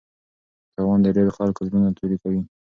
تاوان د ډېرو خلکو زړونه توري کوي.